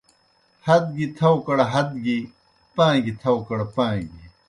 ہت گیْ تھاؤکڑ ہت گیْ، پاں گیْ تھاؤکڑ پاں گیْ